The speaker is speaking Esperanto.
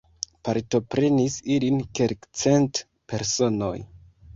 Partoprenis ilin kelkcent personoj.